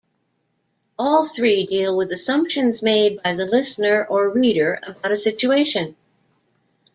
All three deal with assumptions made by the listener or reader about a situation.